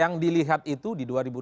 yang dilihat itu di dua ribu dua puluh